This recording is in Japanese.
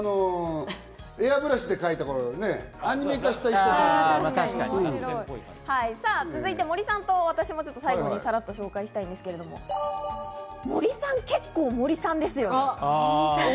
エアブラシ続いて、森さんと私も最後にさらっと紹介したいんですが、森さんは結構、森さんですよ。